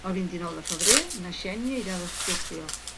El vint-i-nou de febrer na Xènia irà d'excursió.